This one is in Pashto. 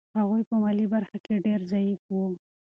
هغوی په مالي برخه کې ډېر ضعیف وو.